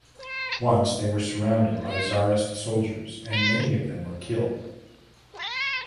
Once they there surrounded by Tsarist soldiers and many of them were killed.